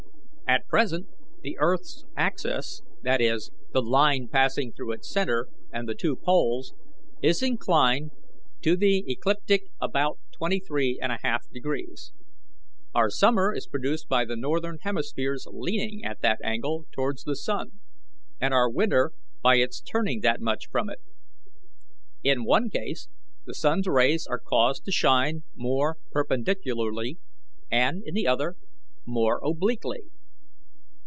At present the earth's axis that is, the line passing through its centre and the two poles is inclined to the ecliptic about twenty three and a half degrees. Our summer is produced by the northern hemisphere's leaning at that angle towards the sun, and our winter by its turning that much from it. In one case the sun's rays are caused to shine more perpendicularly, and in the other more obliquely.